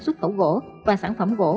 xuất khẩu gỗ và sản phẩm gỗ